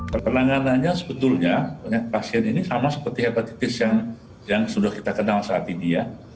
pertenangannya sebetulnya pasien ini sama seperti hepatitis yang sudah kita kenal saat ini ya